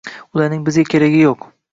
Ularning bizga keragi yo‘q.